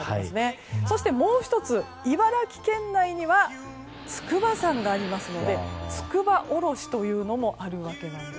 そしてもう１つ、茨城県内には筑波山がありますので筑波おろしというのもあります。